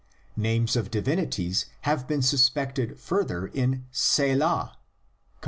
"' Names of divinities have been suspected further in Selah (cp.